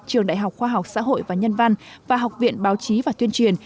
trường đại học khoa học xã hội và nhân văn và học viện báo chí và tuyên truyền